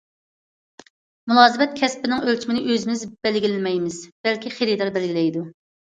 مۇلازىمەت كەسپىنىڭ ئۆلچىمىنى ئۆزىمىز بەلگىلىمەيمىز، بەلكى خېرىدار بەلگىلەيدۇ.